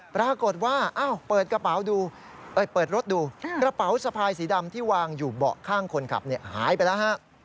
ปรากฏว่าเปิดรถดูกระเป๋าสภายสีดำที่วางอยู่เบาะข้างคนขับหายไปแล้วฮะ